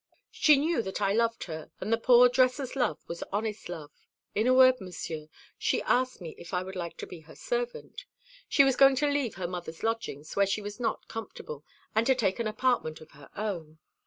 She knew that I loved her; and the poor dresser's love was honest love. In a word, Monsieur, she asked me if I would like to be her servant. She was going to leave her mother's lodgings, where she was not comfortable, and to take an apartment of her own.